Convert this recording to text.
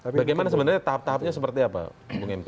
bagaimana sebenarnya tahap tahapnya seperti apa bung empi